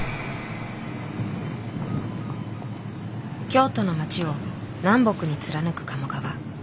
京都の街を南北に貫く鴨川。